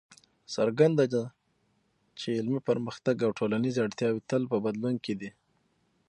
څرګنده ده چې علمي پرمختګ او ټولنیزې اړتیاوې تل په بدلون کې دي.